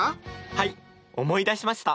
はい思い出しました！